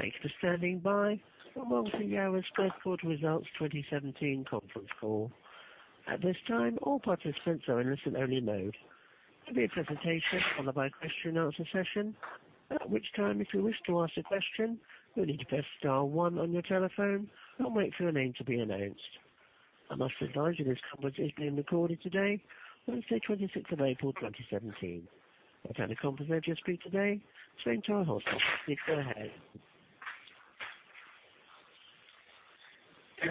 Thanks for standing by. Welcome to Yara's first quarter results 2017 conference call. At this time, all participants are in listen only mode. There will be a presentation followed by a question and answer session. At which time, if you wish to ask a question, you will need to press star one on your telephone and wait for your name to be announced. I must advise you this conference is being recorded today, Wednesday, 26th of April, 2017. Again, the conference manager for you today, Svein Tore Holsether. Please go ahead.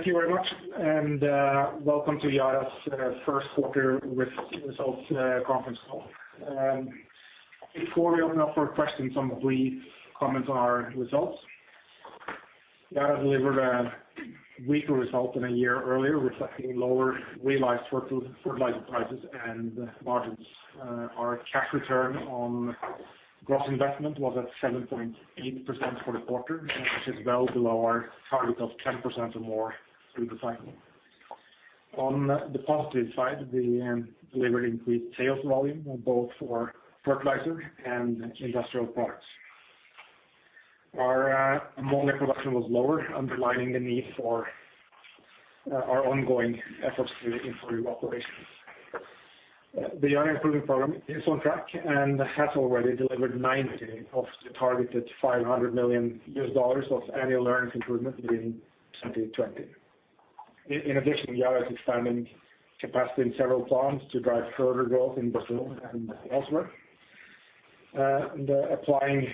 Thank you very much, welcome to Yara's first quarter results conference call. Before we open up for questions, some brief comments on our results. Yara delivered a weaker result than a year earlier, reflecting lower realized fertilizer prices and margins. Our cash return on gross investment was at 7.8% for the quarter, which is well below our target of 10% or more through the cycle. On the positive side, we delivered increased sales volume, both for fertilizer and industrial products. Our ammonia production was lower, underlining the need for our ongoing efforts to improve operations. The Yara Improvement Program is on track and has already delivered $90 million of the targeted $500 million annual earnings improvement in 2020. In addition, Yara is expanding capacity in several plants to drive further growth in Brazil and elsewhere. Applying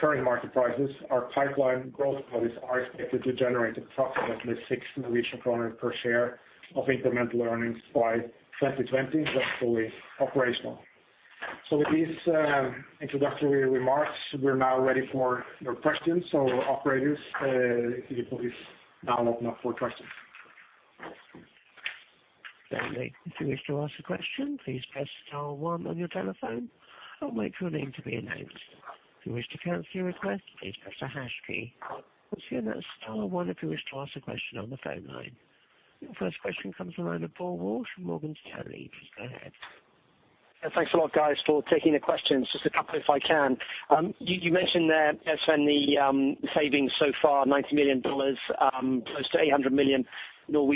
current market prices, our pipeline growth projects are expected to generate approximately 6 Norwegian kroner per share of incremental earnings by 2020 when fully operational. With these introductory remarks, we are now ready for your questions. Operators, if you could please now open up for questions. Certainly. If you wish to ask a question, please press star one on your telephone and wait for your name to be announced. If you wish to cancel your request, please press the hash key. Once again, that is star one if you wish to ask a question on the phone line. Your first question comes from the line of Paul Walsh from Morgan Stanley. Please go ahead. Thanks a lot guys for taking the questions. Just a couple if I can. You mentioned there, Svein, the savings so far, $90 million, close to 800 million Norwegian kroner. Do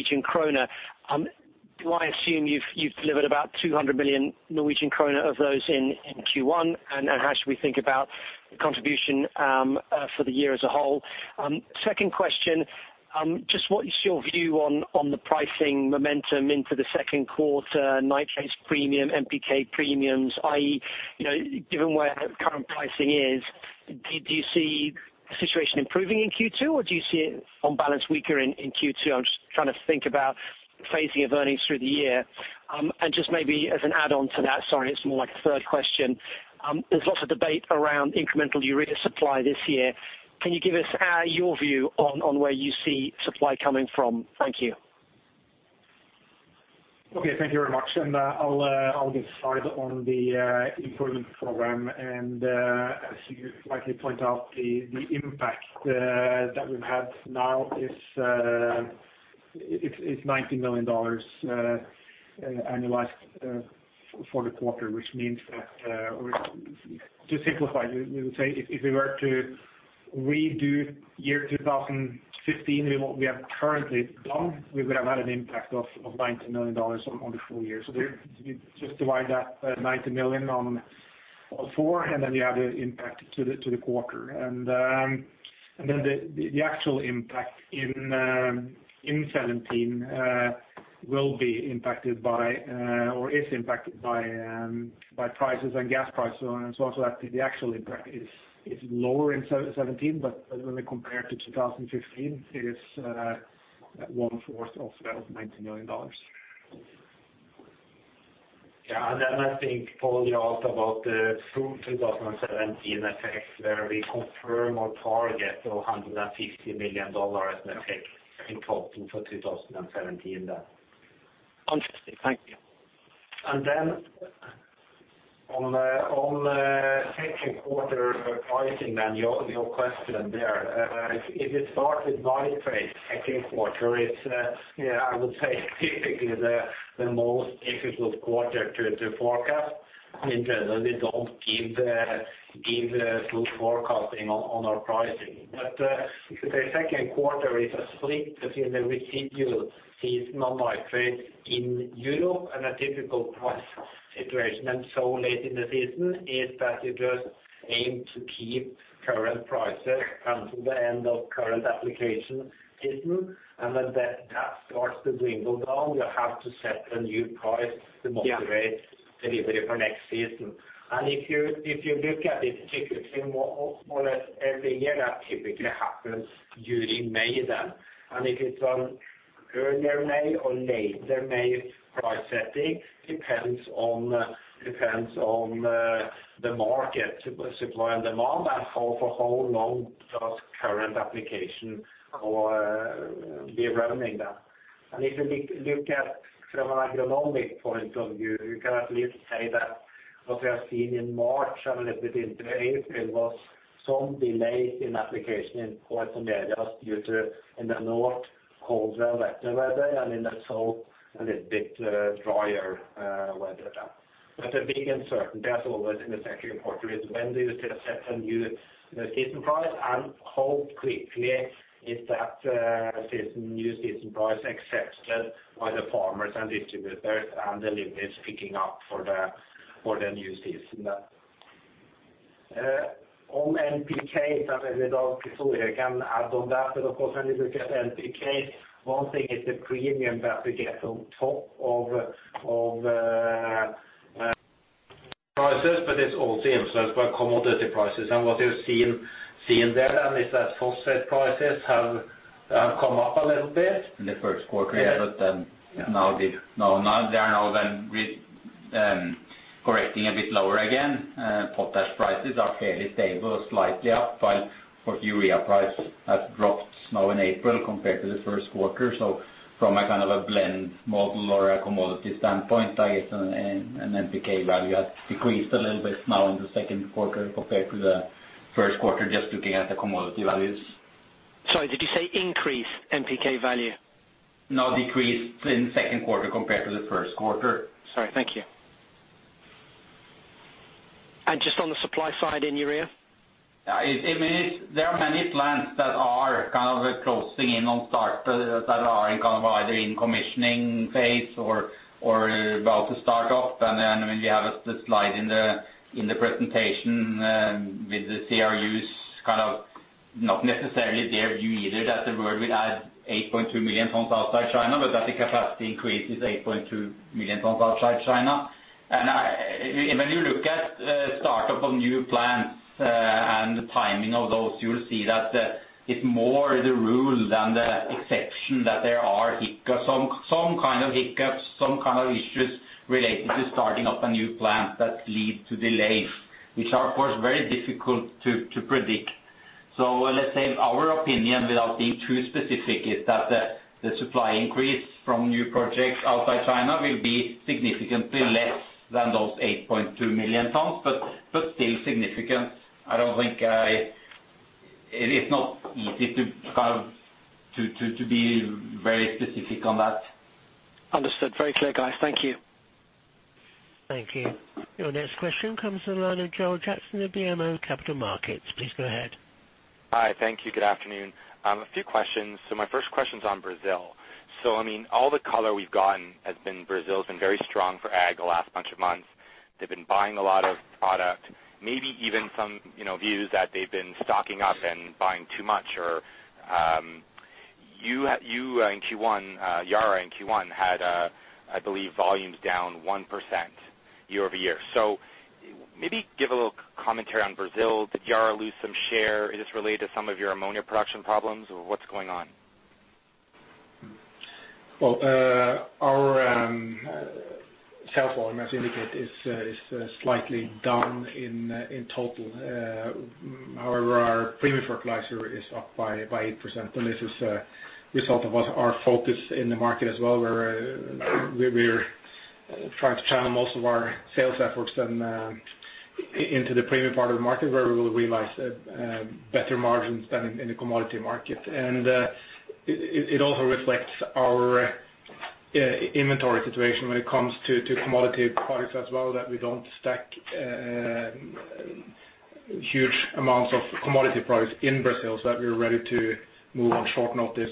I assume you've delivered about 200 million Norwegian kroner of those in Q1, and how should we think about the contribution for the year as a whole? Second question, just what is your view on the pricing momentum into the second quarter, nitrates premium, NPK premiums, i.e., given where current pricing is, do you see the situation improving in Q2, or do you see it on balance weaker in Q2? I'm just trying to think about the phasing of earnings through the year. Just maybe as an add-on to that, sorry, it's more like a third question. There's lots of debate around incremental urea supply this year. Can you give us your view on where you see supply coming from? Thank you. Okay. Thank you very much. I'll get Svein on the Yara Improvement Program, and as you rightly point out, the impact that we've had now is $90 million annualized for the quarter, which means that to simplify, we would say if we were to redo year 2015, we have currently done, we would have had an impact of $90 million on the full year. You just divide that $90 million on four, and then you add the impact to the quarter. The actual impact in 2017 will be impacted by or is impacted by prices and gas prices and so on and so forth. The actual impact is lower in 2017, but when we compare to 2015, it is one fourth of that, of $90 million. I think, Paul, you asked about the full 2017 effects where we confirm our target of $150 million effect in total for 2017. Interesting. Thank you. On the second quarter pricing, your question there. If you start with nitrate second quarter, it's I would say typically the most difficult quarter to forecast. In general, we don't give good forecasting on our pricing. The second quarter is a split between the residual seasonal nitrate in Europe and a typical price situation. Late in the season is that you just aim to keep current prices until the end of current application season. When that starts to dwindle down, you have to set a new price to motivate delivery for next season. If you look at it typically more or less every year, that typically happens during May. If it's on earlier May or later May price setting depends on the market supply and demand and for how long does current application be running. If you look at from an agronomic point of view, you can at least say that what we have seen in March and a little bit into April was some delay in application in parts of the areas due to, in the north, colder and wetter weather, and in the south, a little bit drier weather there. The big uncertainty, as always in the second quarter, is when do you set a new season price and how quickly is that new season price accepted by the farmers and distributors and the limit is picking up for the new season. On NPK, I mean, without Terje Knutsen, I can add on that. Of course, when you look at NPK, one thing is the premium that we get on top of prices. It's also influenced by commodity prices and what we've seen there. It's that phosphate prices have come up a little bit. In the first quarter. Yeah. They are now then correcting a bit lower again. Potash prices are fairly stable, slightly up, while for urea price has dropped now in April compared to the first quarter. From a kind of a blend model or a commodity standpoint, I guess an NPK value has decreased a little bit now in the second quarter compared to the first quarter, just looking at the commodity values. Sorry, did you say increase NPK value? No, decreased in the second quarter compared to the first quarter. Sorry, thank you. Just on the supply side in urea? There are many plants that are kind of closing in on start, that are in kind of either in commissioning phase or about to start up. I mean, we have the slide in the presentation, with the CRU's kind of not necessarily their view either that the world will add 8.2 million tons outside China, but that the capacity increase is 8.2 million tons outside China. When you look at startup of new plants, and the timing of those, you will see that it's more the rule than the exception that there are some kind of hiccups, some kind of issues related to starting up a new plant that lead to delays, which are, of course, very difficult to predict. Let's say our opinion, without being too specific, is that the supply increase from new projects outside China will be significantly less than those 8.2 million tons, but still significant. It is not easy to be very specific on that. Understood. Very clear, guys. Thank you. Thank you. Your next question comes from the line of Joel Jackson of BMO Capital Markets. Please go ahead. Hi. Thank you. Good afternoon. A few questions. My first question's on Brazil. I mean, all the color we've gotten has been Brazil's been very strong for ag the last bunch of months. They've been buying a lot of product, maybe even some views that they've been stocking up and buying too much. In Q1, Yara had, I believe, volumes down 1% year-over-year. Maybe give a little commentary on Brazil. Did Yara lose some share? Is this related to some of your ammonia production problems or what's going on? Well, our sales volume, as indicated, is slightly down in total. Our premium fertilizer is up by 8%, and this is a result of our focus in the market as well, where we're trying to channel most of our sales efforts into the premium part of the market where we will realize better margins than in the commodity market. It also reflects our inventory situation when it comes to commodity products as well, that we don't stack huge amounts of commodity products in Brazil, so that we're ready to move on short notice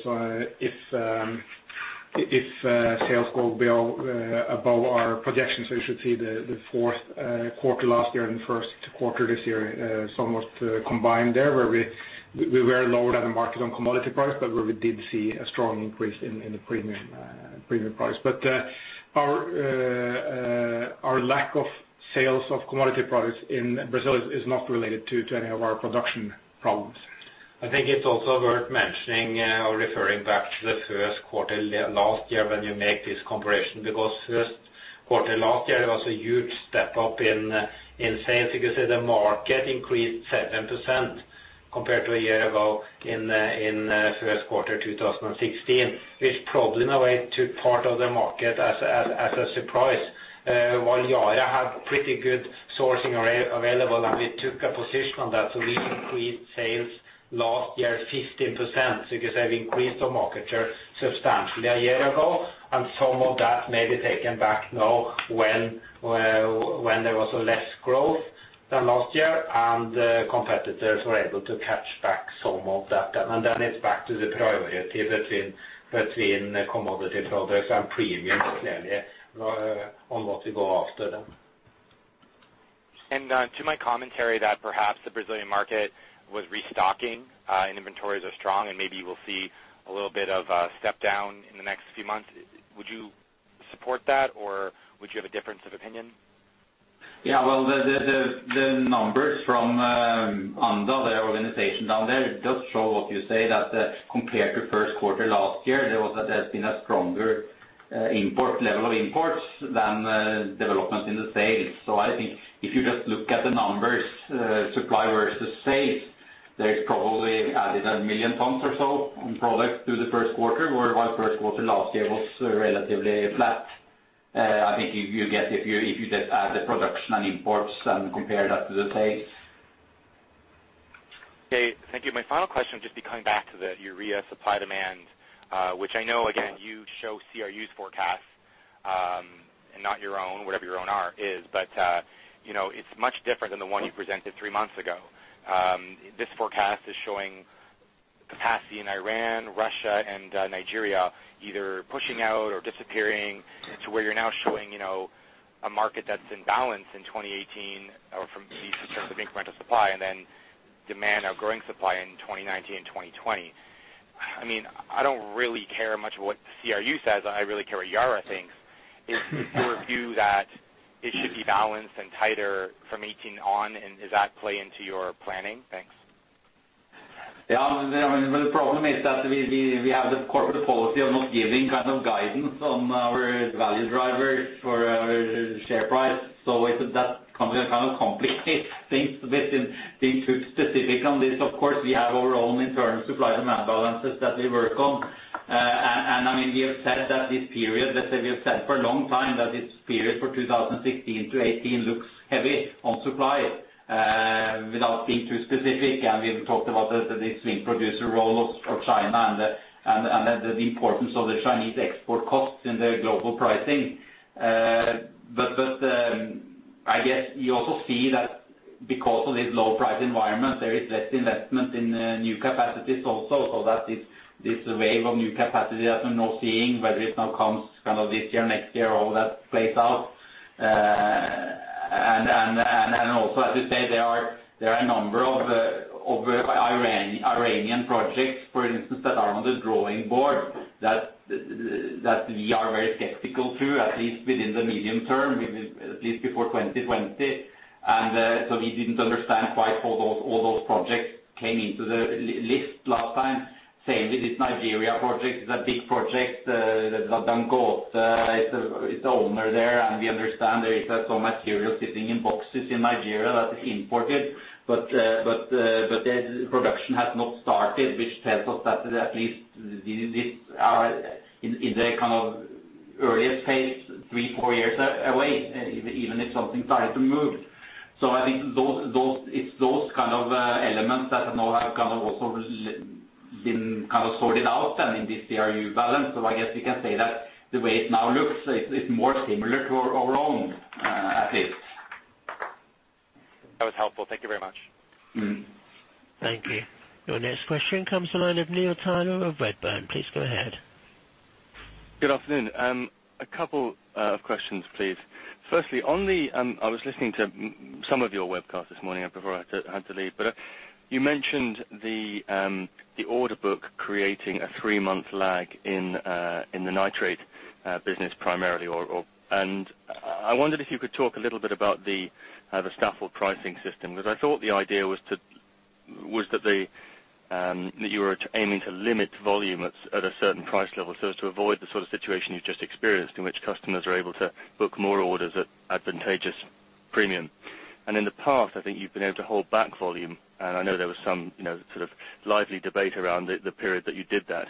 if sales go above our projections. You should see the fourth quarter last year and first quarter this year, it's almost combined there, where we were lower than the market on commodity price, but where we did see a strong increase in the premium price. Our lack of sales of commodity products in Brazil is not related to any of our production problems. I think it's also worth mentioning or referring back to the first quarter last year when you make this comparison, because first quarter last year, there was a huge step up in sales. You could say the market increased 7% compared to a year ago in first quarter 2016, which probably, in a way, took part of the market as a surprise. While Yara had pretty good sourcing available, and we took a position on that, we increased sales last year 15%, because they've increased our market share substantially a year ago. Some of that may be taken back now when there was less growth than last year, and competitors were able to catch back some of that. It's back to the priority between commodity products and premium clearly on what we go after then. To my commentary that perhaps the Brazilian market was restocking, and inventories are strong, and maybe we'll see a little bit of a step down in the next few months. Would you support that or would you have a difference of opinion? Well, the numbers from ANDA, the organization down there, does show what you say, that compared to first quarter last year, there has been a stronger level of imports than development in the sales. I think if you just look at the numbers, supply versus sales, they probably added 1 million tons or so on product through the first quarter, whereby first quarter last year was relatively flat. I think if you just add the production and imports and compare that to the sales. Okay, thank you. My final question would just be coming back to the urea supply demand, which I know again, you show CRU's forecast, and not your own, whatever your own are is. It's much different than the one you presented 3 months ago. This forecast is showing capacity in Iran, Russia, and Nigeria either pushing out or disappearing to where you're now showing a market that's in balance in 2018 or from at least in terms of incremental supply and then demand or growing supply in 2019 and 2020. I don't really care much what CRU says. I really care what Yara thinks. If you review that it should be balanced and tighter from 2018 on, does that play into your planning? Thanks. The problem is that we have the corporate policy of not giving kind of guidance on our value drivers for our share price. That kind of complicates things a bit in being too specific on this. Of course, we have our own internal supply demand balances that we work on. We have said that this period, as we have said for a long time, that this period for 2016 to 2018 looks heavy on supply. Without being too specific, we have talked about the swing producer role of China and the importance of the Chinese export costs in the global pricing. I guess you also see that because of this low price environment, there is less investment in new capacities also. That is this wave of new capacity that we're now seeing, whether it now comes kind of this year, next year, all that plays out. Also, as you say, there are a number of Iranian projects, for instance, that are on the drawing board that we are very skeptical to, at least within the medium term, at least before 2020. We didn't understand why all those projects came into the list last time. Same with this Nigeria project. It's a big project. Dangote is the owner there, and we understand there is some material sitting in boxes in Nigeria that is imported. The production has not started, which tells us that at least these are in the kind of earliest phase, three, four years away, even if something started to move. I think it's those kind of elements that now have kind of also been kind of sorted out and in this CRU balance. I guess you can say that the way it now looks, it's more similar to our own at least. That was helpful. Thank you very much. Thank you. Your next question comes to the line of Neil Tyler of Redburn. Please go ahead. Good afternoon. A couple of questions, please. Firstly, I was listening to some of your webcast this morning before I had to leave. You mentioned the order book creating a three-month lag in the nitrate business primarily. I wondered if you could talk a little bit about the stacking policy or pricing system, because I thought the idea was that you were aiming to limit volume at a certain price level so as to avoid the sort of situation you've just experienced in which customers are able to book more orders at advantageous premium. In the past, I think you've been able to hold back volume, and I know there was some sort of lively debate around the period that you did that.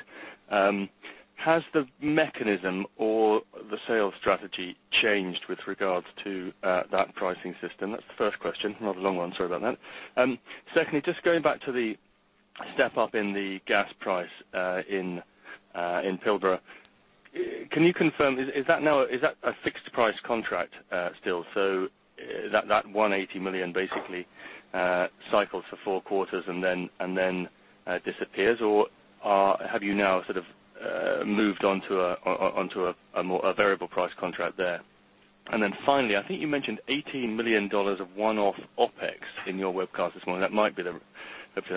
Has the mechanism or the sales strategy changed with regards to that pricing system? That's the first question. Rather a long one. Sorry about that. Secondly, just going back to the step-up in the gas price in Pilbara. Can you confirm, is that a fixed price contract still, so that 180 million basically cycles for four quarters and then disappears? Or have you now sort of moved on to a variable price contract there? Finally, I think you mentioned NOK 18 million of one-off OpEx in your webcast this morning. Hopefully,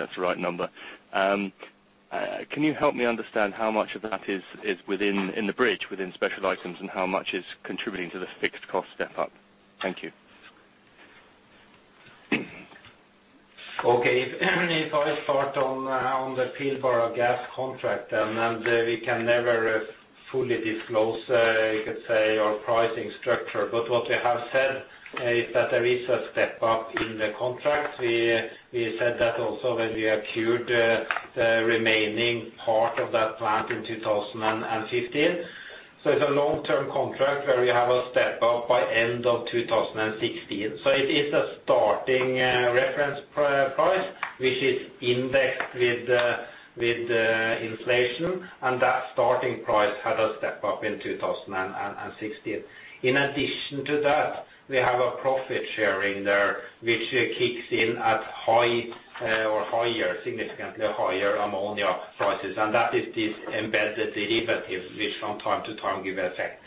that's the right number. Can you help me understand how much of that is in the bridge within special items and how much is contributing to the fixed cost step-up? Thank you. Okay. If I start on the Pilbara gas contract, we can never fully disclose, you could say, our pricing structure. What we have said is that there is a step-up in the contract. We said that also when we acquired the remaining part of that plant in 2015. It's a long-term contract where we have a step-up by end of 2016. In addition to that, we have a profit sharing there, which kicks in at high or higher, significantly higher ammonia prices, and that is this embedded derivative which from time to time give effect.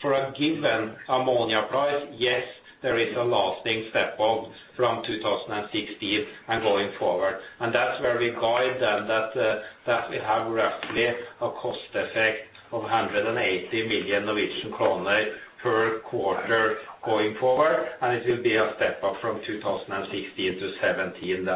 For a given ammonia price, yes, there is a lasting step-up from 2016 and going forward. That's where we guide them that we have roughly a cost effect of 180 million kroner per quarter going forward, it will be a step-up from 2016 to 2017.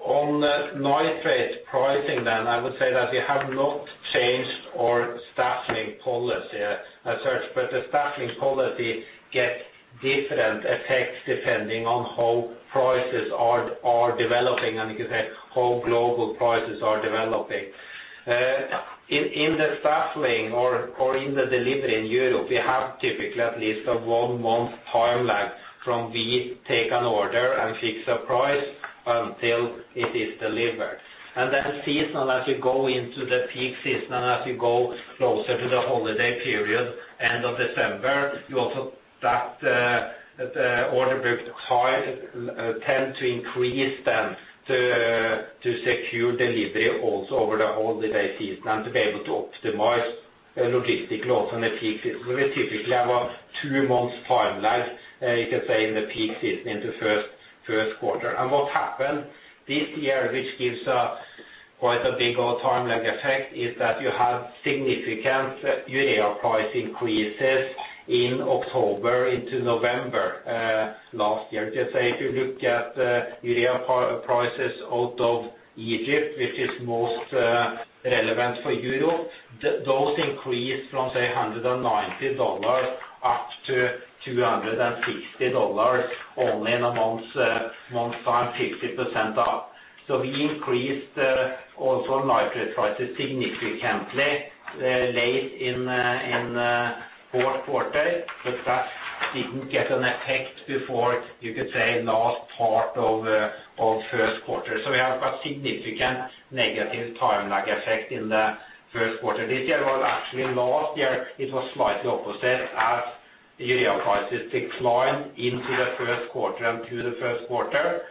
On the nitrate pricing then, I would say that we have not changed our stacking policy as such, but the stacking policy gets different effects depending on how prices are developing, and you could say how global prices are developing. In the stacking or in the delivery in Europe, we have typically at least a one-month timeline from we take an order and fix a price until it is delivered. Then seasonal, as you go into the peak season, as you go closer to the holiday period, end of December, you also that the order book tend to increase then to secure delivery also over the holiday season and to be able to optimize logistical also in the peak season. We typically have a two months timeline, you could say, in the peak season into first quarter. What happened this year, which gives quite a big old timeline effect, is that you have significant urea price increases in October into November last year. Just say, if you look at the urea prices out of Egypt, which is most relevant for Europe, those increased from say, $190 up to $260 only in a month's time, 50% up. We increased also nitrate prices significantly late in the fourth quarter, but that didn't get an effect before, you could say, last part of first quarter. We have a significant negative timeline effect in the first quarter. This year was actually last year, it was slightly opposite as urea prices declined into the first quarter and through the first quarter.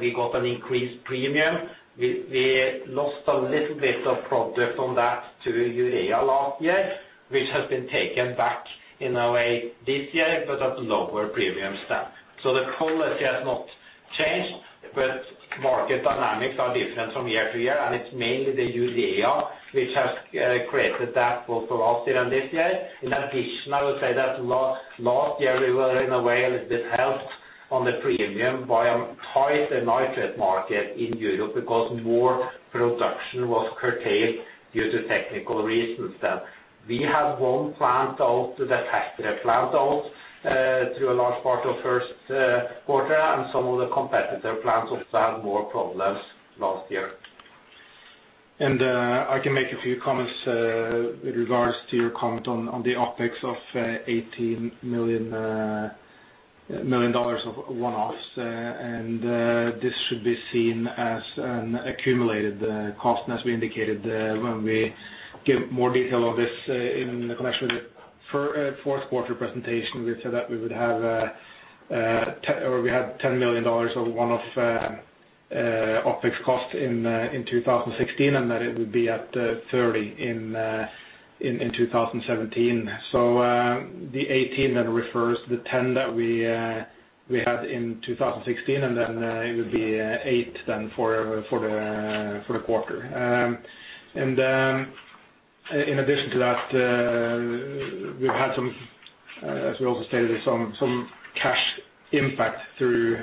We got an increased premium. We lost a little bit of profit on that to urea last year, which has been taken back in a way this year, but at lower premiums then. The policy has not changed, but market dynamics are different from year to year, and it's mainly the urea which has created that both for last year and this year. In addition, I would say that last year we were, in a way, a little bit helped on the premium by a tighter nitrate market in Europe because more production was curtailed due to technical reasons then. We had one plant out, the Porsgrunn plant out, through a large part of first quarter, and some of the competitor plants also had more problems last year. I can make a few comments with regards to your comment on the OpEx of NOK 18 million of one-offs. This should be seen as an accumulated cost. As we indicated, when we give more detail of this in connection with the fourth quarter presentation, we said that we had NOK 10 million of one-off OpEx cost in 2016, and that it would be at 30 million in 2017. The 18 refers to the 10 million that we had in 2016, and then it would be 8 million for the quarter. In addition to that, we've had some, as we also stated, some cash impact through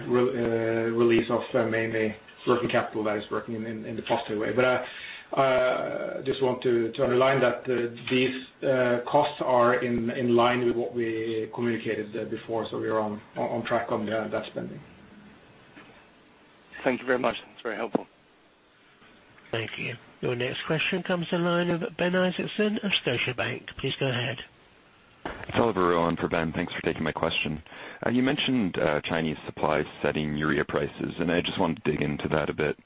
release of mainly working capital that is working in the positive way. I just want to underline that these costs are in line with what we communicated before. We are on track on that spending. Thank you very much. That's very helpful. Thank you. Your next question comes to the line of Ben Isaacson of Scotiabank. Please go ahead. It's Oliver on for Ben. Thanks for taking my question. You mentioned Chinese supply setting urea prices. I just want to dig into that a bit.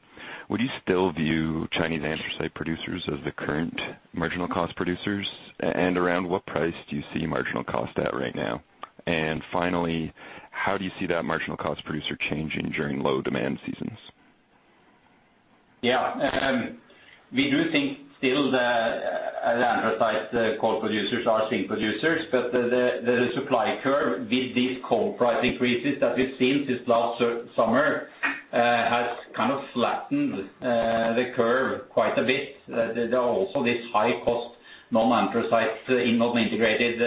Would you still view Chinese anthracite producers as the current marginal cost producers? Around what price do you see marginal cost at right now? Finally, how do you see that marginal cost producer changing during low demand seasons? Yeah. We do think still the anthracite coal producers are seen producers, but the supply curve with these coal price increases that we've seen since last summer has kind of flattened the curve quite a bit. There are also these high cost, non-anthracite, non-integrated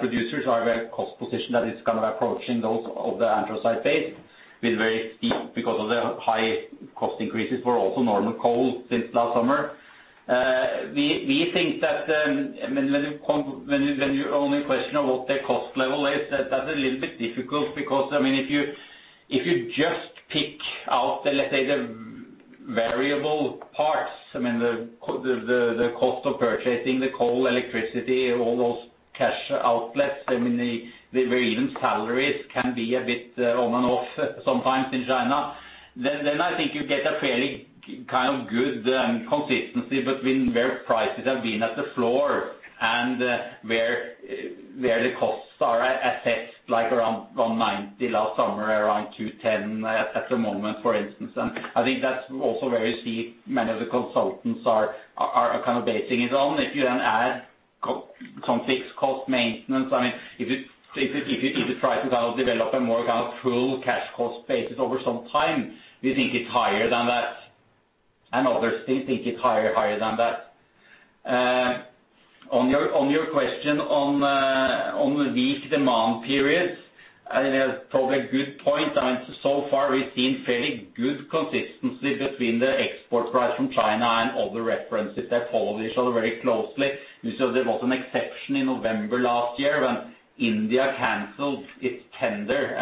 producers are very cost position that is kind of approaching those of the anthracite base with very steep because of the high cost increases for also normal coal since last summer. We think that, when you only question of what their cost level is, that's a little bit difficult because if you just pick out, let's say, the variable parts, the cost of purchasing the coal, electricity, all those cash outlets, even salaries can be a bit on and off sometimes in China. I think you get a fairly kind of good consistency between where prices have been at the floor and where the costs are at effect, like around $190 last summer, around $210 at the moment, for instance. I think that's also where you see many of the consultants are kind of basing it on. If you then add some fixed cost maintenance, if you try to kind of develop a more kind of full cash cost basis over some time, we think it's higher than that Others still think it's higher than that. On your question on weak demand periods, probably a good point. So far, we've seen fairly good consistency between the export price from China and other references. They follow each other very closely. You saw there was an exception in November last year when India canceled its tender.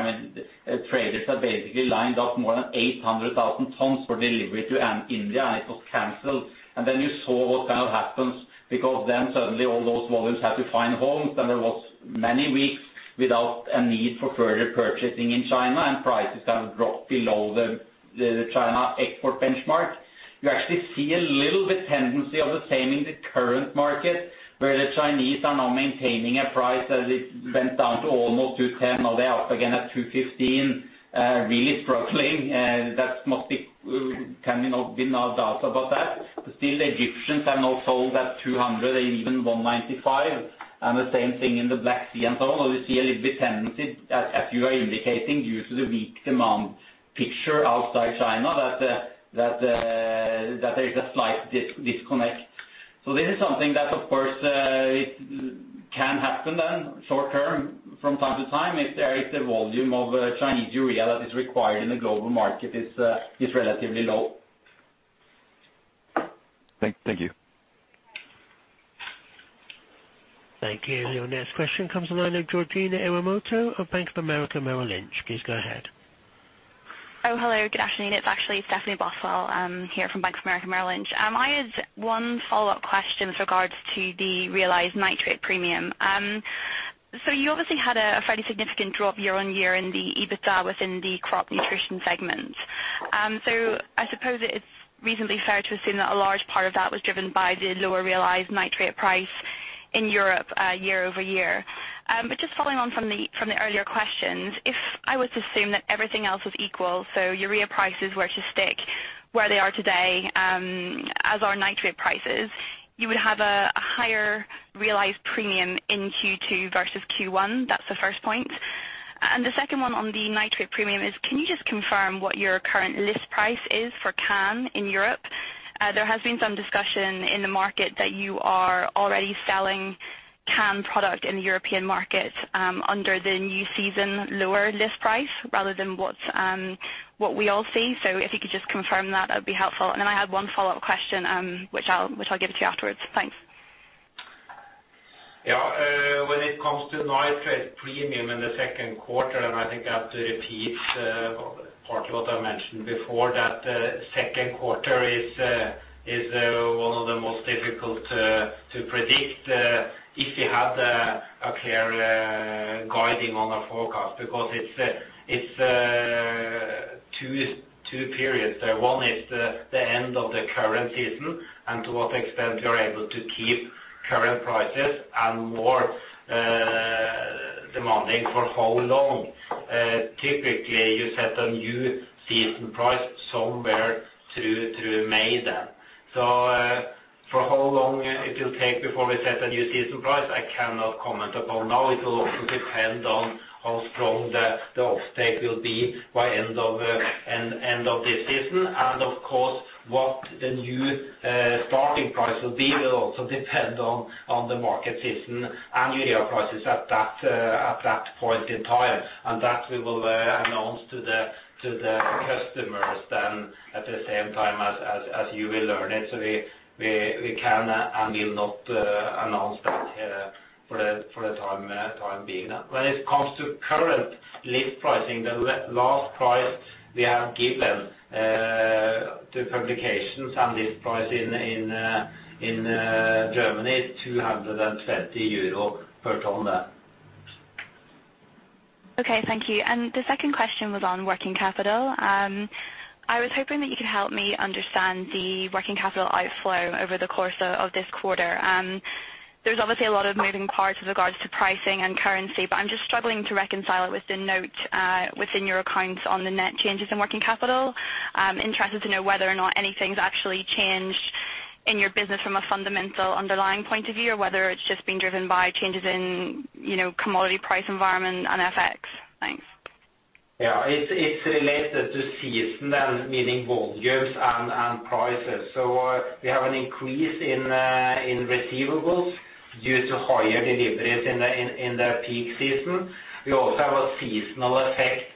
Traders had basically lined up more than 800,000 tons for delivery to India, and it was canceled. You saw what happened, because then suddenly all those volumes had to find homes, and there were many weeks without a need for further purchasing in China, and prices have dropped below the China export benchmark. You actually see a little bit tendency of the same in the current market, where the Chinese are now maintaining a price as it went down to almost $210. Now they're up again at $215, really struggling. Can be no doubt about that. Still, the Egyptians have now sold at $200, even $195, and the same thing in the Black Sea. You see a little bit tendency, as you are indicating, due to the weak demand picture outside China, that there is a slight disconnect. This is something that, of course, can happen then short term from time to time if the volume of Chinese urea that is required in the global market is relatively low. Thank you. Thank you. Your next question comes the line of Stephanie Boswell of Bank of America Merrill Lynch. Please go ahead. Hello. Good afternoon. It's actually Stephanie Boswell here from Bank of America Merrill Lynch. I had one follow-up question with regards to the realized nitrate premium. You obviously had a fairly significant drop year-over-year in the EBITDA within the Crop Nutrition segment. I suppose it's reasonably fair to assume that a large part of that was driven by the lower realized nitrate price in Europe year-over-year. Just following on from the earlier questions, if I was to assume that everything else was equal, so urea prices were to stick where they are today, as are nitrate prices, you would have a higher realized premium in Q2 versus Q1. That's the first point. The second one on the nitrate premium is, can you just confirm what your current list price is for CAN in Europe? There has been some discussion in the market that you are already selling CAN product in the European market under the new season lower list price rather than what we all see. If you could just confirm that'd be helpful. I had one follow-up question, which I'll give to you afterwards. Thanks. Yeah. When it comes to nitrate premium in the second quarter, I think I have to repeat partly what I mentioned before, that the second quarter is one of the most difficult to predict if you had a clear guiding on a forecast, because it's two periods. One is the end of the current season and to what extent you're able to keep current prices and more demanding for how long. Typically, you set a new season price somewhere through May then. For how long it will take before we set a new season price, I cannot comment upon now. It will also depend on how strong the off take will be by end of this season and of course, what the new starting price will be will also depend on the market season and urea prices at that point in time. That we will announce to the customers then at the same time as you will learn it. We can and will not announce that for the time being. When it comes to current list pricing, the last price we have given to publications and list price in Germany, EUR 230 per ton there. Okay. Thank you. The second question was on working capital. I was hoping that you could help me understand the working capital outflow over the course of this quarter. There's obviously a lot of moving parts with regards to pricing and currency, I'm just struggling to reconcile it with the note within your accounts on the net changes in working capital. I'm interested to know whether or not anything's actually changed in your business from a fundamental underlying point of view, or whether it's just been driven by changes in commodity price environment and FX. Thanks. Yeah. It's related to season, meaning volumes and prices. We have an increase in receivables due to higher deliveries in the peak season. We also have a seasonal effect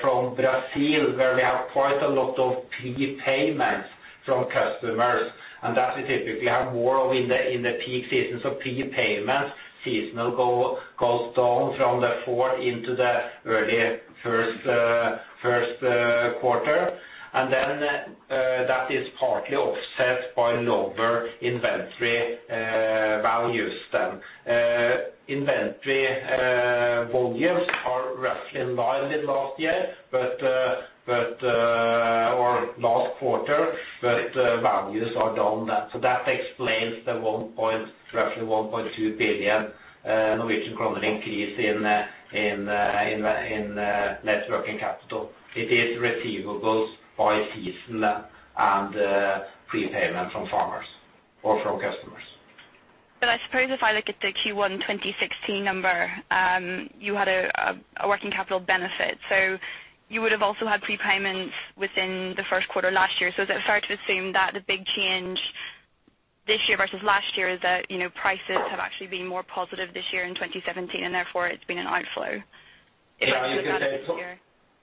from Brazil, where we have quite a lot of prepayments from customers. That we typically have more of in the peak season. Prepayments seasonal go down from the fourth into the early first quarter. That is partly offset by lower inventory values then. Inventory volumes are roughly in line with last year, or last quarter. Values are down. That explains the roughly 1.2 billion Norwegian kroner increase in net working capital. It is receivables by season and prepayment from farmers or from customers. I suppose if I look at the Q1 2016 number, you had a working capital benefit. You would have also had prepayments within the first quarter last year. Is it fair to assume that the big change this year versus last year is that prices have actually been more positive this year in 2017, and therefore it's been an outflow?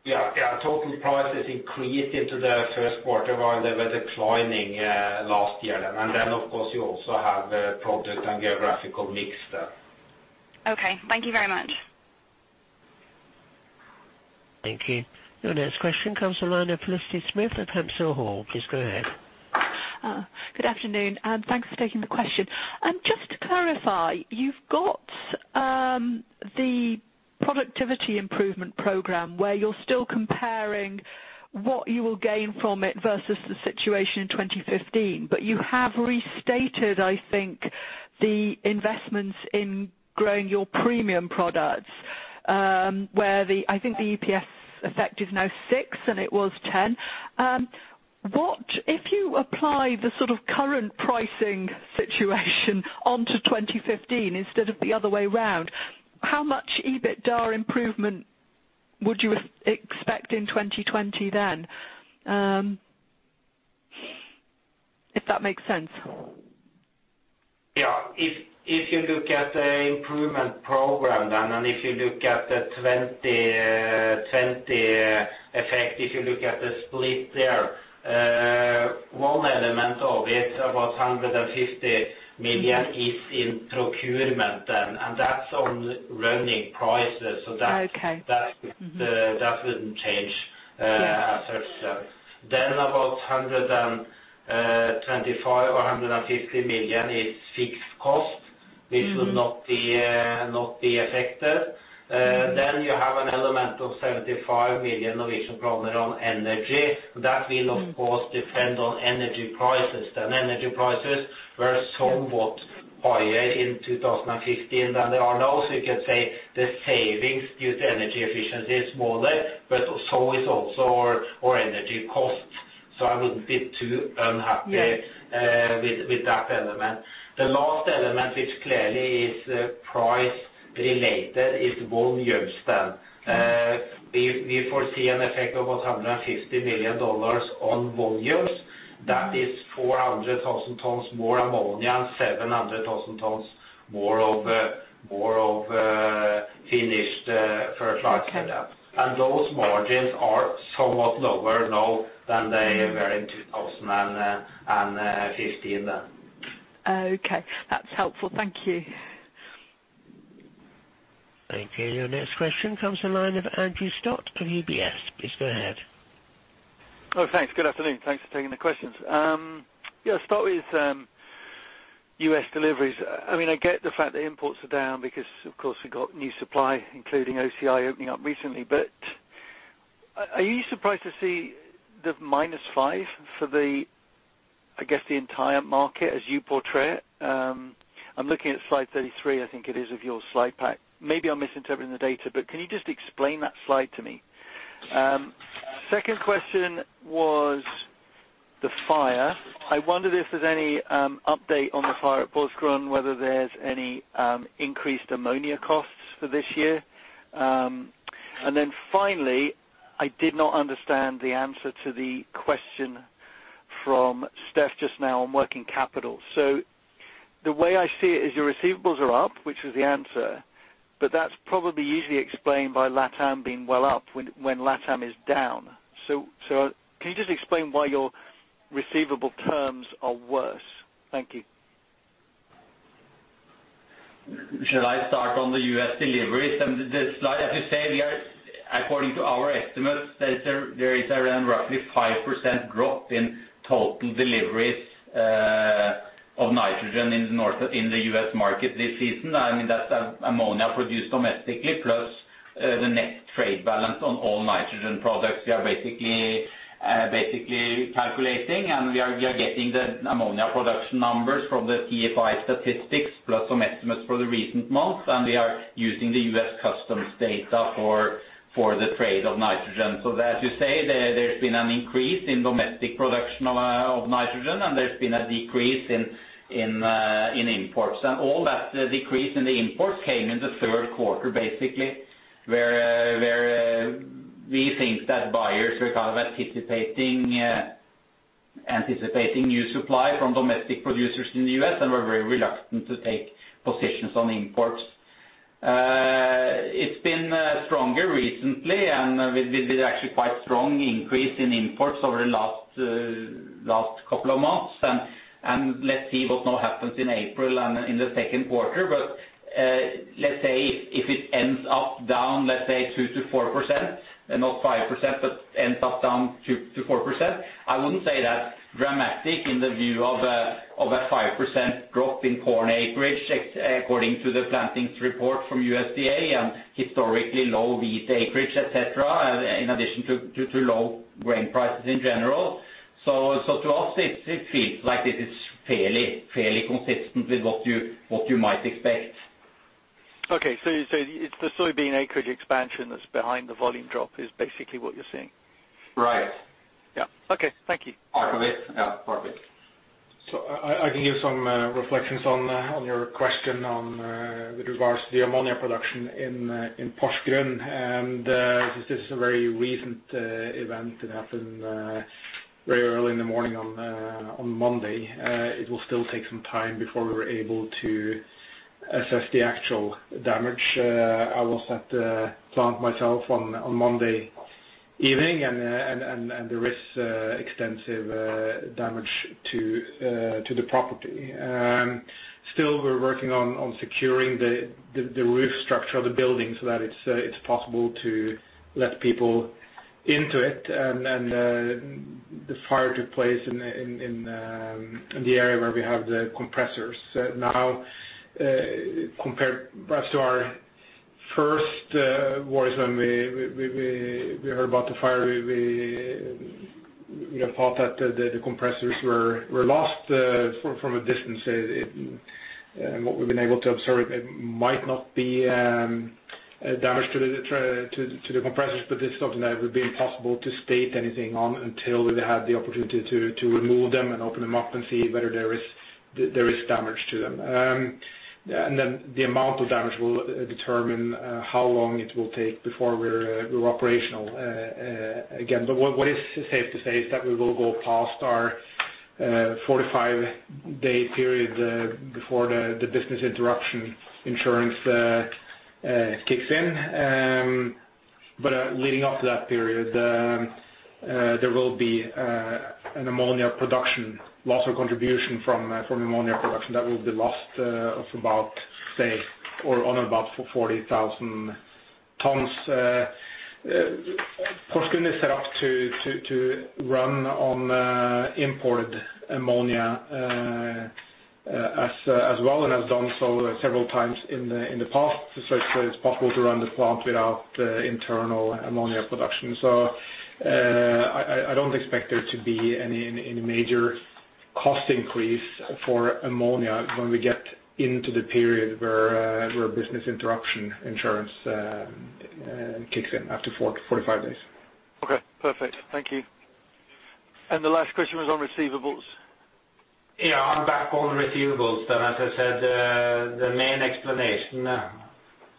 Total prices increased into the first quarter while they were declining last year. Of course, you also have the product and geographical mix there. Okay. Thank you very much. Thank you. Your next question comes from the line of Felicity Smith at Hargreave Hale. Please go ahead. Good afternoon. Thanks for taking the question. Just to clarify, you've got the Yara Improvement Program where you're still comparing what you will gain from it versus the situation in 2015. You have restated, I think, the investments in growing your premium products, where I think the EPS effect is now six and it was ten. If you apply the sort of current pricing situation onto 2015 instead of the other way around, how much EBITDA improvement would you expect in 2020 then? If that makes sense. Yeah. If you look at the Yara Improvement Program and if you look at the 2020 effect, if you look at the split there, one element of it, about $150 million, is in procurement then. That's on running prices. Okay. That wouldn't change as such then. About $125 million or $150 million is fixed cost, which would not be affected. You have an element of $75 million of which are probably on energy. That will, of course, depend on energy prices then. Energy prices were somewhat higher in 2015 than they are now. You can say the savings due to energy efficiency is smaller. So is also our energy costs. I wouldn't be too unhappy. Yes With that element. The last element, which clearly is price related, is volume spent. We foresee an effect of about $150 million on volumes. That is 400,000 tons more ammonia, 700,000 tons more of finished fertilizers. Okay. Those margins are somewhat lower now than they were in 2015 then. Okay. That's helpful. Thank you. Thank you. Your next question comes from the line of Andrew Stott from UBS. Please go ahead. Thanks. Good afternoon. Thanks for taking the questions. I'll start with U.S. deliveries. I get the fact that imports are down because, of course, we got new supply, including OCI opening up recently. Are you surprised to see the -5 for the entire market as you portray it? I'm looking at slide 33, I think it is, of your slide pack. Maybe I'm misinterpreting the data, but can you just explain that slide to me? Second question was the fire. I wonder if there's any update on the fire at Porsgrunn, whether there's any increased ammonia costs for this year. Finally, I did not understand the answer to the question from Steph just now on working capital. The way I see it is your receivables are up, which was the answer, but that's probably easily explained by LATAM being well up when LATAM is down. Can you just explain why your receivable terms are worse? Thank you. Shall I start on the U.S. deliveries? According to our estimates, there is around roughly 5% drop in total deliveries of nitrogen in the U.S. market this season. That's ammonia produced domestically plus the net trade balance on all nitrogen products we are basically calculating, and we are getting the ammonia production numbers from the TFI statistics plus some estimates for the recent months, and we are using the U.S. customs data for the trade of nitrogen. As you say, there's been an increase in domestic production of nitrogen, and there's been a decrease in imports. All that decrease in the imports came in the third quarter, basically, where we think that buyers were kind of anticipating new supply from domestic producers in the U.S. and were very reluctant to take positions on imports. It's been stronger recently, and there's been actually quite strong increase in imports over the last couple of months, and let's see what now happens in April and in the second quarter. Let's say if it ends up down, let's say 2%-4%, and not 5%, but ends up down 2%-4%, I wouldn't say that's dramatic in the view of a 5% drop in corn acreage, according to the plantings report from USDA and historically low wheat acreage, et cetera, in addition to low grain prices in general. To us, it feels like this is fairly consistent with what you might expect Okay. You're saying it's the soybean acreage expansion that's behind the volume drop, is basically what you're saying? Right. Yeah. Okay. Thank you. Part of it, yeah. Part of it. I can give some reflections on your question with regards to the ammonia production in Porsgrunn. Since this is a very recent event that happened very early in the morning on Monday, it will still take some time before we are able to assess the actual damage. I was at the plant myself on Monday evening and there is extensive damage to the property. Still, we're working on securing the roof structure of the building so that it's possible to let people into it. The fire took place in the area where we have the compressors. Now, compared as to our first voice when we heard about the fire, we had thought that the compressors were lost from a distance. What we've been able to observe, it might not be damage to the compressors, but it's something that would be impossible to state anything on until we had the opportunity to remove them and open them up and see whether there is damage to them. Then the amount of damage will determine how long it will take before we're operational again. What is safe to say is that we will go past our 45-day period, before the business interruption insurance kicks in. Leading up to that period, there will be an ammonia production loss or contribution from ammonia production that will be lost of about, say, on about 40,000 tons. Porsgrunn is set up to run on imported ammonia as well, and has done so several times in the past. It's possible to run the plant without internal ammonia production. I don't expect there to be any major cost increase for ammonia when we get into the period where business interruption insurance kicks in after 45 days. Okay. Perfect. Thank you. The last question was on receivables. On back on receivables, as I said, the main explanation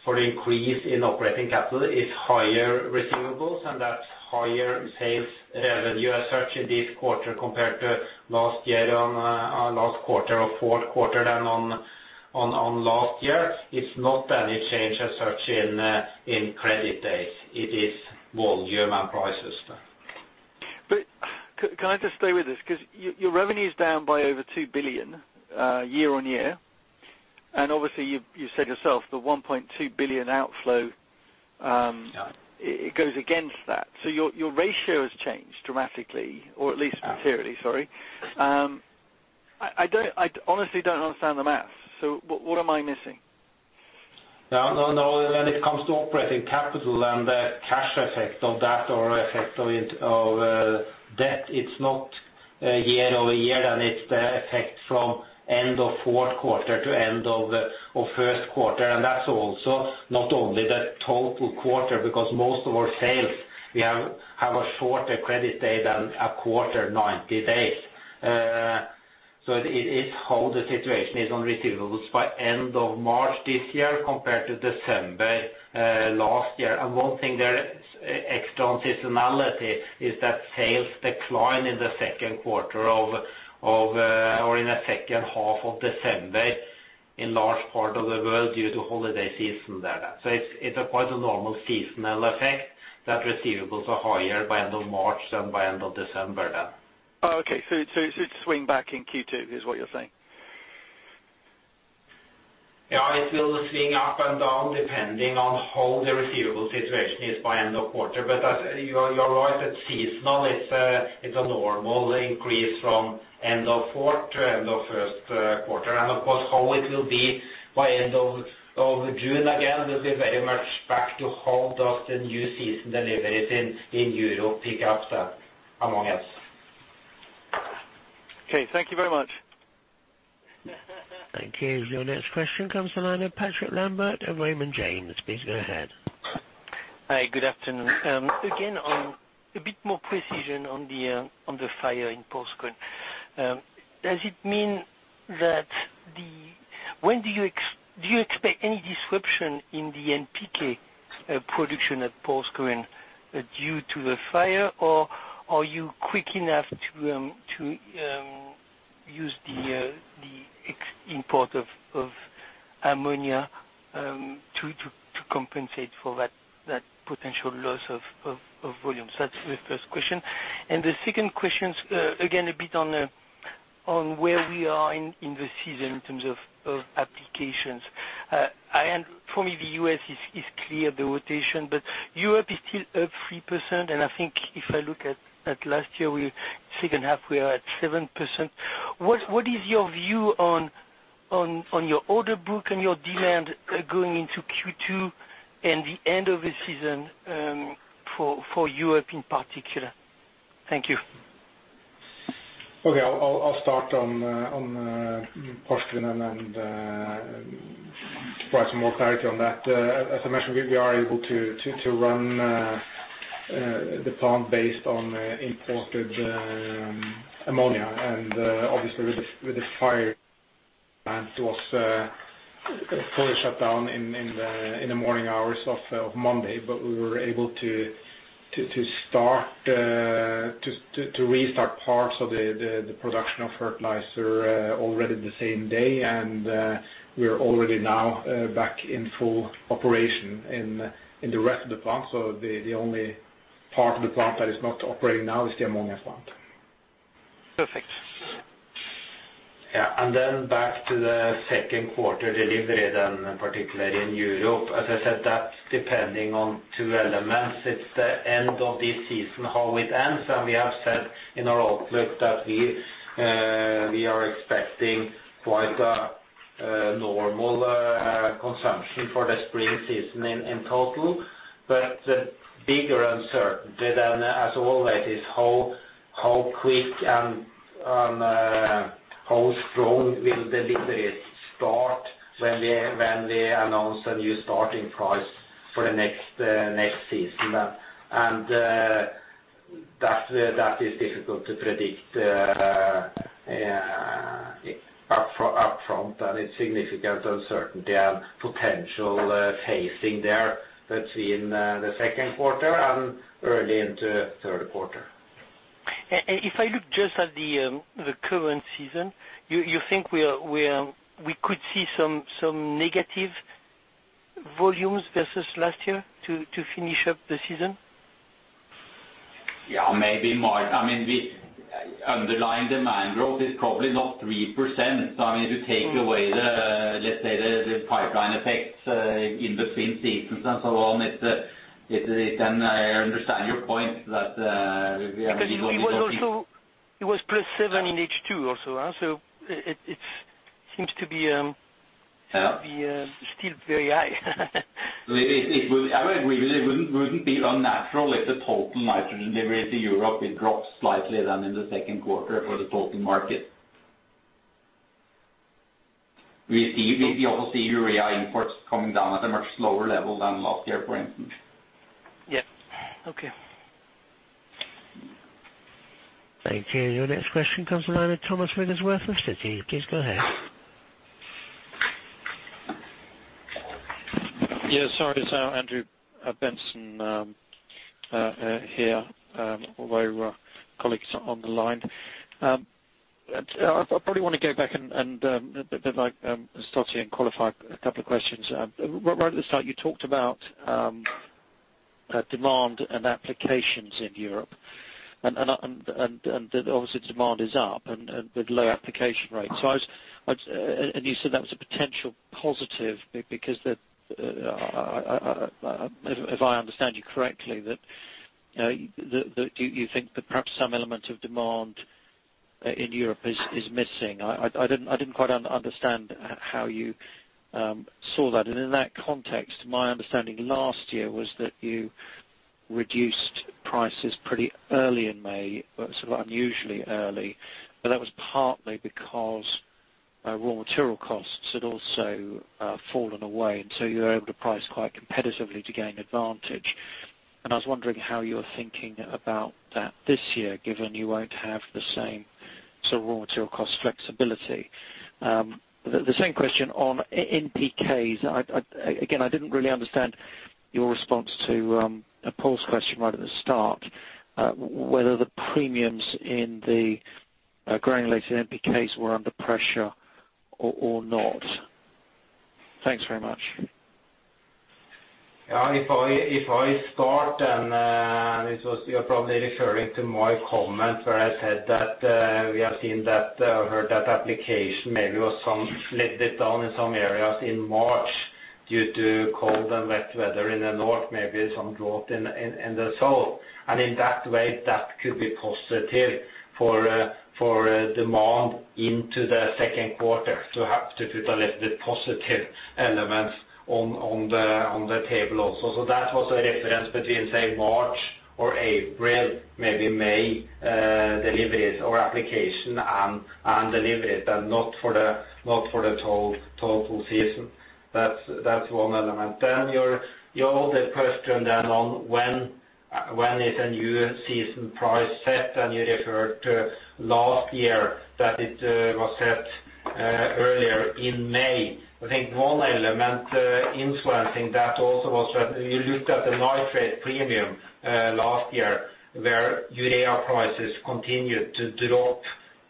for the increase in operating capital is higher receivables, that's higher sales revenue as such this quarter compared to last year on last quarter or fourth quarter than on last year. It's not any change as such in credit days. It is volume and prices. Can I just stay with this, because your revenue's down by over 2 billion year-on-year, and obviously you said yourself the 1.2 billion outflow. Yeah it goes against that. Your ratio has changed dramatically or at least materially, sorry. I honestly don't understand the math. What am I missing? No, when it comes to operating capital and the cash effect of that, or effect of debt, it's not year-over-year, and it's the effect from end of fourth quarter to end of first quarter. That's also not only the total quarter, because most of our sales, we have a shorter credit day than a quarter, 90 days. It is how the situation is on receivables by end of March this year compared to December last year. One thing there, extra on seasonality, is that sales decline in the second quarter or in the second half of December in large part of the world due to holiday season there. It's quite a normal seasonal effect that receivables are higher by end of March than by end of December there. Oh, okay. It should swing back in Q2, is what you're saying? Yeah, it will swing up and down depending on how the receivable situation is by end of quarter. You are right, it's seasonal. It's a normal increase from end of fourth to end of first quarter. Of course, how it will be by end of June, again, we'll be very much back to how does the new season deliveries in Europe pick up there among us. Okay. Thank you very much. Thank you. Your next question comes to the line of Patrick Lambert of Raymond James. Please go ahead. Hi, good afternoon. Again, on a bit more precision on the fire in Porsgrunn. Do you expect any disruption in the NPK production at Porsgrunn due to the fire, or are you quick enough to use the import of ammonia to compensate for that potential loss of volume? That's the first question. The second question is, again, a bit on where we are in the season in terms of applications. For me, the U.S. is clear, the rotation, but Europe is still up 3%. I think if I look at last year, second half, we are at 7%. What is your view on your order book and your demand going into Q2 and the end of the season for Europe in particular? Thank you. Okay. I'll start on Porsgrunn and provide some more clarity on that. As I mentioned, we are able to run the plant based on imported ammonia. Obviously with the fire, the plant was fully shut down in the morning hours of Monday. We were able to restart parts of the production of fertilizer already the same day. We are already now back in full operation in the rest of the plant. The only part of the plant that is not operating now is the ammonia plant. Perfect. Back to the second quarter delivery then particularly in Europe, as I said, that's depending on two elements. It's the end of this season, how it ends, and we have said in our outlook that we are expecting quite a normal consumption for the spring season in total. The bigger uncertainty then, as always, is how quick and how strong will deliveries start when we announce a new starting price for the next season. That is difficult to predict up front, and it's significant uncertainty and potential phasing there that's in the second quarter and early into third quarter. If I look just at the current season, you think we could see some negative volumes versus last year to finish up the season? Yeah, maybe more. The underlying demand growth is probably not 3%. If you take away the, let's say, the pipeline effects in between seasons and so on, I understand your point. It was plus seven in H2 also. It seems. Yeah still very high. It wouldn't be unnatural if the total nitrogen delivery to Europe drops slightly than in the second quarter for the total market. We also see urea imports coming down at a much lower level than last year, for instance. Yeah. Okay. Thank you. Your next question comes from the line at Thomas Wintersworth, Citi. Please go ahead. Yeah, sorry. It's Andrew Benson here. Although colleagues are on the line. I probably want to go back and start here and qualify a couple of questions. Right at the start, you talked about demand and applications in Europe, obviously demand is up and with low application rates. You said that was a potential positive because, if I understand you correctly, that you think that perhaps some element of demand in Europe is missing. I didn't quite understand how you saw that. In that context, my understanding last year was that you reduced prices pretty early in May, sort of unusually early, but that was partly because raw material costs had also fallen away, so you were able to price quite competitively to gain advantage. I was wondering how you're thinking about that this year, given you won't have the same sort of raw material cost flexibility. The same question on NPKs. Again, I didn't really understand your response to Paul's question right at the start, whether the premiums in the granulated NPKs were under pressure or not. Thanks very much. Yeah. If I start, you're probably referring to my comment where I said that we have heard that application maybe was some slid down in some areas in March due to cold and wet weather in the north, maybe some drought in the south. In that way, that could be positive for demand into the second quarter to have to put a little bit positive elements on the table also. That was a reference between, say, March or April, maybe May, deliveries or application and deliveries, and not for the total season. That's one element. Your other question then on when is a new season price set, you referred to last year that it was set earlier in May. I think one element influencing that also was when you looked at the nitrate premium last year, where urea prices continued to drop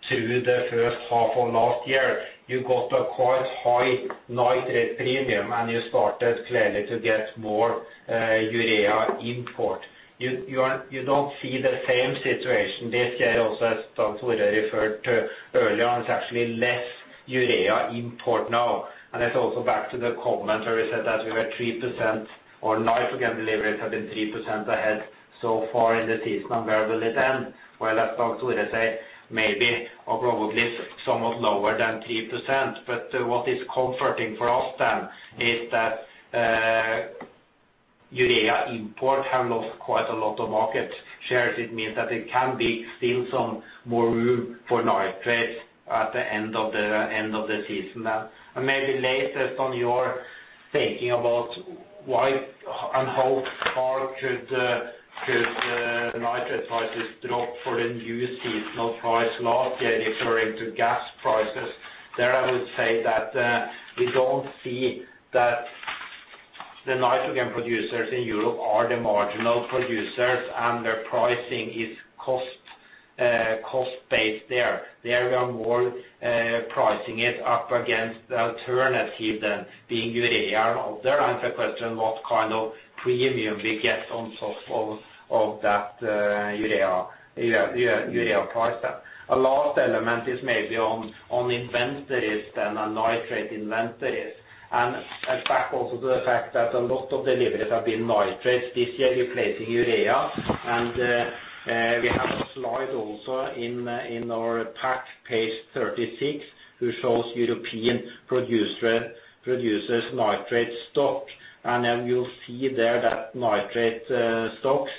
through the first half of last year. You got a quite high nitrate premium, you started clearly to get more urea import. You don't see the same situation this year also, as Torgeir referred to earlier, it's actually less urea import now. It's also back to the comment where we said that we were 3% or nitrogen deliveries have been 3% ahead so far in the season and where will it end. Well, as Torgeir said, maybe or probably somewhat lower than 3%. What is comforting for us then is that urea import have lost quite a lot of market shares. It means that it can be still some more room for nitrates at the end of the season. Maybe later on you're thinking about why and how far should the nitrate prices drop for a new seasonal price, largely referring to gas prices. I would say that we don't see that the nitrogen producers in Europe are the marginal producers, and their pricing is cost-based there. We are more pricing it up against the alternative than being urea. Torgeir answers the question what kind of premium we get on top of that urea price. A last element is maybe on inventories than on nitrate inventories. Back also to the fact that a lot of deliveries have been nitrates this year replacing urea. We have a slide also in our pack, page 36, which shows European producers' nitrate stock. Then you see there that nitrate stocks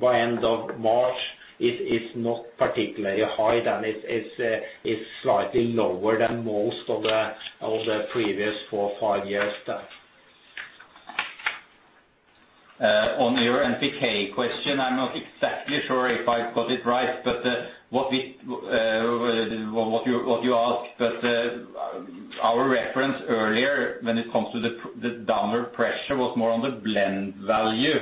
by end of March is not particularly high. It's slightly lower than most of the previous four, five years. On your NPK question, I'm not exactly sure if I've got it right, what you ask, our reference earlier when it comes to the downward pressure was more on the blend value.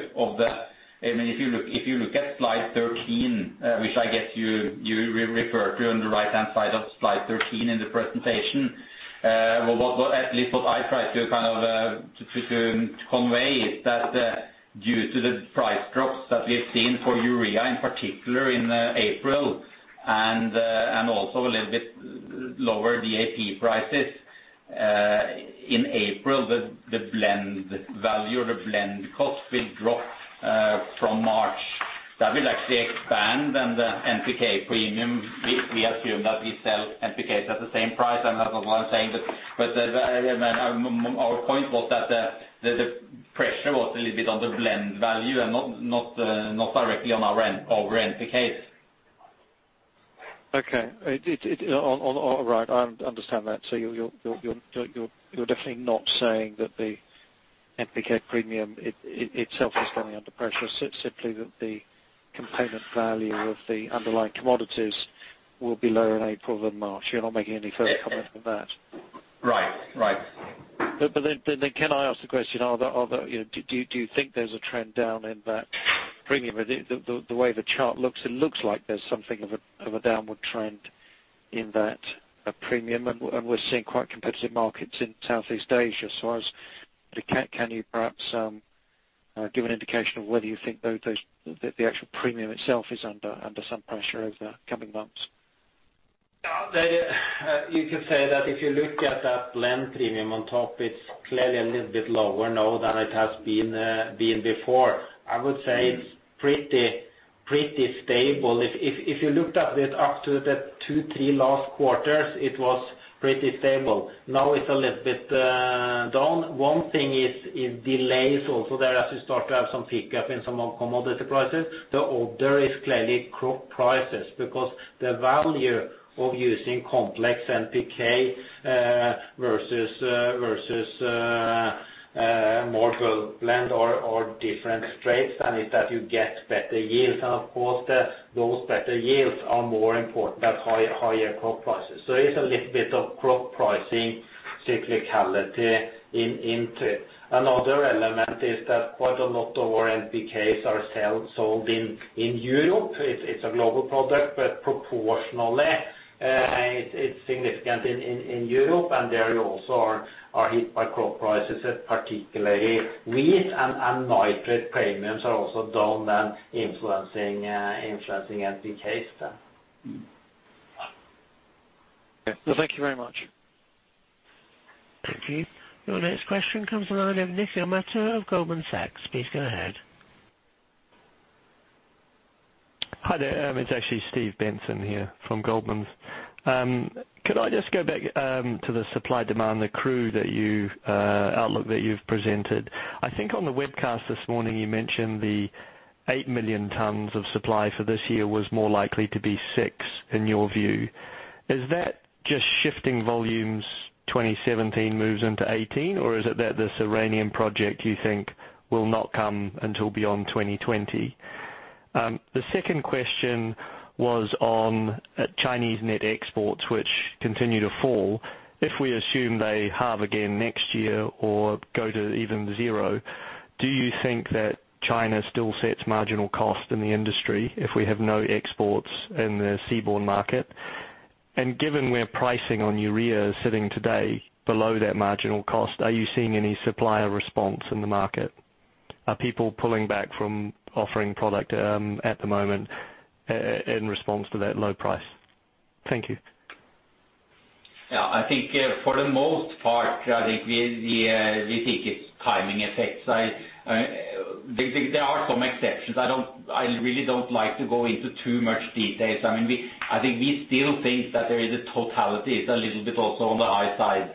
If you look at slide 13, which I guess you refer to on the right-hand side of slide 13 in the presentation. At least what I try to convey is that due to the price drops that we've seen for urea, in particular in April, also a little bit lower DAP prices, in April, the blend value or the blend cost will drop from March. That will actually expand, the NPK premium, we assume that we sell NPK at the same price, that's not what I'm saying, our point was that the pressure was a little bit on the blend value and not directly on our N, over NPKs. Okay. All right. I understand that. You're definitely not saying that the NPK premium itself is coming under pressure. Simply that the component value of the underlying commodities will be lower in April than March. You're not making any further comment on that. Right. Can I ask the question, do you think there's a trend down in that premium? The way the chart looks, it looks like there's something of a downward trend in that premium, and we're seeing quite competitive markets in Southeast Asia. Can you perhaps give an indication of whether you think the actual premium itself is under some pressure over the coming months? You could say that if you look at that blend premium on top, it's clearly a little bit lower now than it has been before. I would say it's pretty stable. If you looked at it up to the two, three last quarters, it was pretty stable. Now it's a little bit down. One thing is delays also there as we start to have some pickup in some commodity prices. The other is clearly crop prices because the value of using complex NPK versus more blend or different strengths and if that you get better yields. Of course, those better yields are more important at higher crop prices. It's a little bit of crop pricing cyclicality into it. Another element is that quite a lot of our NPKs are sold in Europe. It's a global product, proportionally, it's significant in Europe, and there you also are hit by crop prices at particularly wheat and nitrate premiums are also down and influencing NPKs then. Okay. No, thank you very much. Thank you. Your next question comes from the line of Nikhil Mata of Goldman Sachs. Please go ahead. Hi there. It's actually Steve Benson here from Goldman. Could I just go back to the supply-demand, the CRU outlook that you've presented. I think on the webcast this morning, you mentioned the 8 million tons of supply for this year was more likely to be six in your view. Is that just shifting volumes 2017 moves into 2018, or is it that this Iranian project you think will not come until beyond 2020? The second question was on Chinese net exports, which continue to fall. If we assume they halve again next year or go to even zero, do you think that China still sets marginal cost in the industry if we have no exports in the seaborne market? Given where pricing on urea is sitting today below that marginal cost, are you seeing any supplier response in the market? Are people pulling back from offering product at the moment in response to that low price? Thank you. Yeah, I think for the most part, I think we think it's timing effects. There are some exceptions. I really don't like to go into too much details. I think we still think that there is a totality. It's a little bit also on the high side.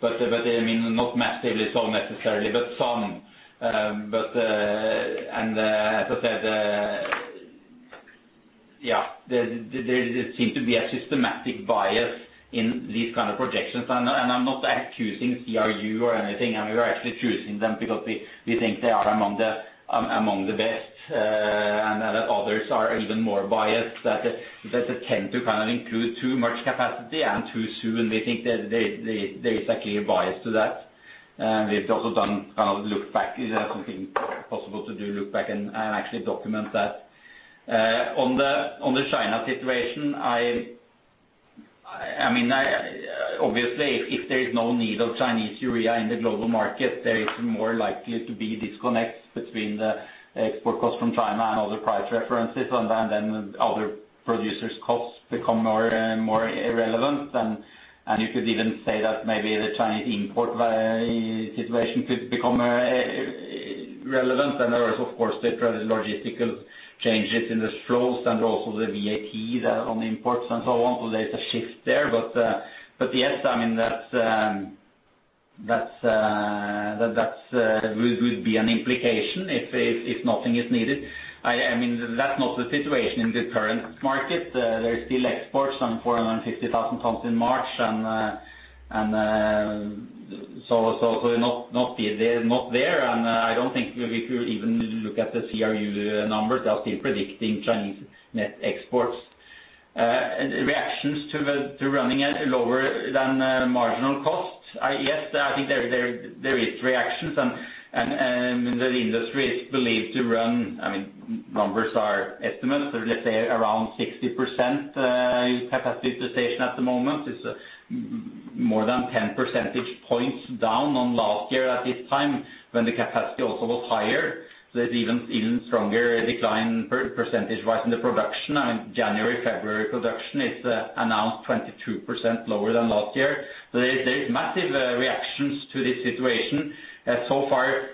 Not massively so necessarily, but some. There seem to be a systematic bias in these kind of projections. I'm not accusing CRU or anything. We are actually choosing them because we think they are among the best, and that others are even more biased, that they tend to include too much capacity and too soon. We think there is a clear bias to that. We've also looked back. If something possible to do, look back and actually document that. On the China situation, obviously, if there is no need of Chinese urea in the global market, there is more likely to be disconnects between the export cost from China and other price references. Then other producers' costs become more irrelevant. You could even say that maybe the Chinese import situation could become irrelevant. There is, of course, the logistical changes in the flows and also the VAT on imports and so on. There's a shift there. Yes, that would be an implication if nothing is needed. That's not the situation in the current market. There's still exports, some 450,000 tons in March. Not there. I don't think if you even look at the CRU numbers, they are still predicting Chinese net exports. Reactions to running at lower than marginal cost. Yes, I think there is reactions, and the industry is believed to run, numbers are estimates, let's say around 60% capacity utilization at the moment. It's more than 10 percentage points down on last year at this time, when the capacity also was higher. There's even stronger decline percentage-wise in the production. January, February production is announced 22% lower than last year. There is massive reactions to this situation. So far,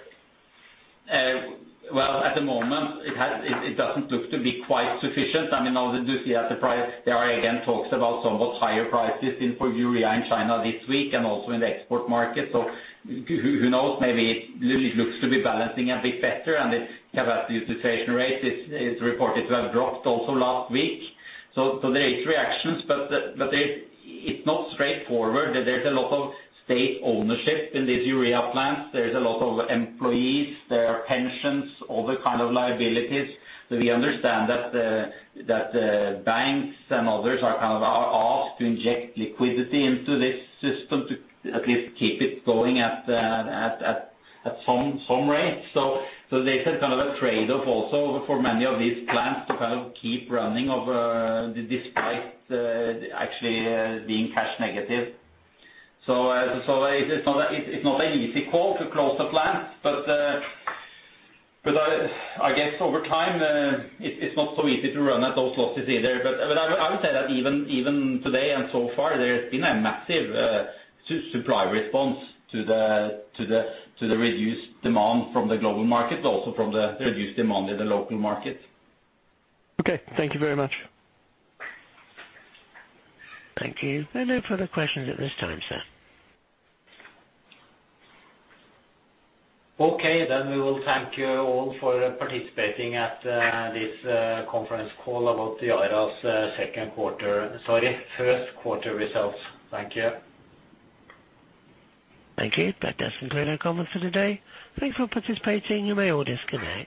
at the moment, it doesn't look to be quite sufficient. Although this year, the price, there are again talks about somewhat higher prices for urea in China this week and also in the export market. Who knows, maybe it looks to be balancing a bit better, and the capacity utilization rate is reported to have dropped also last week. There is reactions, but it's not straightforward. There's a lot of state ownership in these urea plants. There's a lot of employees, there are pensions, other kind of liabilities. We understand that the banks and others are asked to inject liquidity into this system to at least keep it going at some rate. There's a trade-off also for many of these plants to keep running despite actually being cash negative. It's not an easy call to close the plants. I guess over time, it's not so easy to run at those losses either. I would say that even today and so far, there's been a massive supply response to the reduced demand from the global market, also from the reduced demand in the local market. Okay. Thank you very much. Thank you. There are no further questions at this time, sir. Okay, we will thank you all for participating at this conference call about the Yara's first quarter results. Thank you. Thank you. That does conclude our comments for today. Thanks for participating. You may all disconnect.